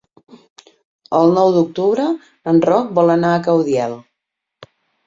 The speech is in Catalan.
El nou d'octubre en Roc vol anar a Caudiel.